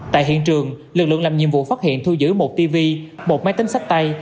tại hiện trường lực lượng làm nhiệm vụ phát hiện thu giữ một tv một máy tính sách tay